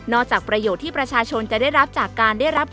จากประโยชน์ที่ประชาชนจะได้รับจากการได้รับ